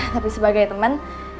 tapi sebagai temen